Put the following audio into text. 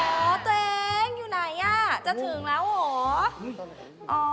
อ๋อฮัลโหลตัวเองอยู่ไหนล่ะจะถึงแล้วหรือ